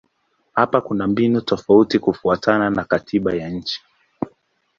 Hapa kuna mbinu tofauti kufuatana na katiba ya nchi.